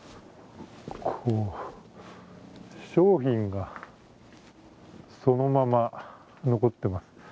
商品がそのまま残っています。